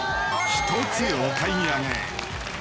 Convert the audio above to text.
１つお買い上げ。